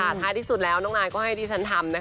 ท้ายที่สุดแล้วน้องนายก็ให้ที่ฉันทำนะคะ